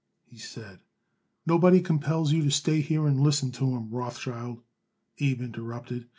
he said. "Nobody compels you to stay here and listen to 'em, Rothschild," Abe interrupted.